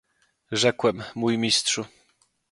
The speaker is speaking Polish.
"Rzekłem: mój Mistrzu!"